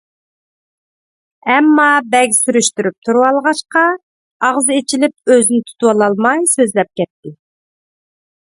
ئەمما بەگ سۈرۈشتۈرۈپ تۇرۇۋالغاچقا، ئاغزى ئېچىلىپ ئۆزىنى تۇتۇۋالالماي سۆزلەپ كەتتى.